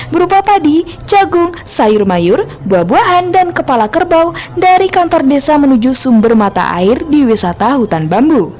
berupa padi jagung sayur mayur buah buahan dan kepala kerbau dari kantor desa menuju sumber mata air di wisata hutan bambu